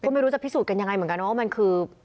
ไม่รู้จะพิสูจนกันยังไงเหมือนกันนะว่ามันคือ